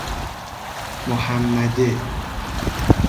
محمده